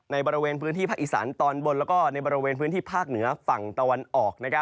บริเวณพื้นที่ภาคอีสานตอนบนแล้วก็ในบริเวณพื้นที่ภาคเหนือฝั่งตะวันออก